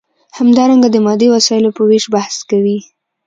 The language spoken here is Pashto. همدارنګه د مادي وسایلو په ویش بحث کوي.